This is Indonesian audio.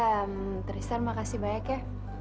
hmm tristan makasih banyak ya